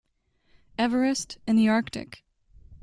Everest and the Arctic.